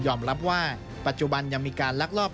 รับว่าปัจจุบันยังมีการลักลอบ